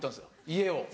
家を。